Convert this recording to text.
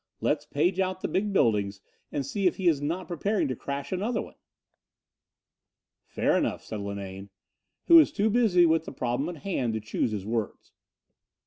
"Let's page out the big buildings and see if he is not preparing to crash another one." "Fair enough," said Linane, who was too busy with the problem at hand to choose his words.